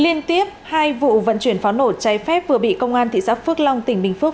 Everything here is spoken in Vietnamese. liên tiếp hai vụ vận chuyển pháo nổ cháy phép vừa bị công an thị xã phước long tỉnh bình phước